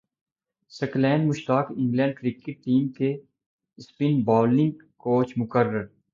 ثقلین Mushtaq England cricket team کے spin bowling coach مقرر